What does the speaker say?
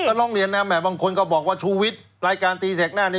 ก็ร้องเรียนน่ะบางคนก็บอกว่าชุวิตรายการตีแสกหน้า